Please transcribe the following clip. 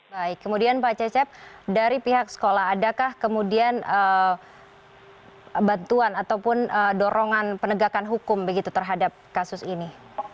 baik kemudian pak cecep dari pihak sekolah adakah kemudian bantuan ataupun dorongan penegakan hukum begitu terhadap kasus ini